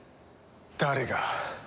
誰が。